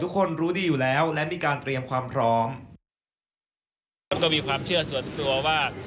ก็มีความเชื่อส่วนตัวว่า